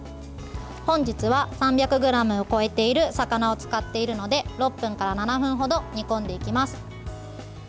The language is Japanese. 本日は３００ｇを超えている魚を使っているので６分から７分程煮込んでいきます。